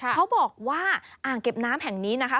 เขาบอกว่าอ่างเก็บน้ำแห่งนี้นะคะ